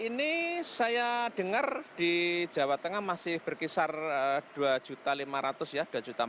hari ini saya dengar di jawa tengah masih berkisar dua lima ratus ya dua empat ratus